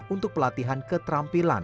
untuk pelatihan keterampilan